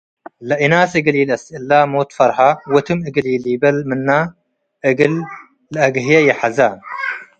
ለእናስ እግል ኢለአስእለ- ሞት ፈርሀ፡ ወትም እግል ኢሊበል ምነ እግል ለአግህየ ይሐዘ።